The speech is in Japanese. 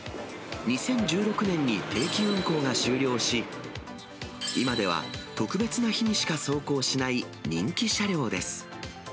２０１６年に定期運行が終了し、今では特別な日にしか走行しない人気車両です。